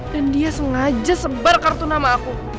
dan dia sengaja sebar kartu nama aku